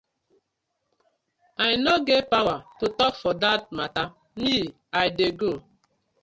I no get powaar to tok for dat matta, me I dey go.